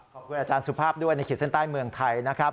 ขอบคุณอาจารย์สุภาพด้วยในขีดเส้นใต้เมืองไทยนะครับ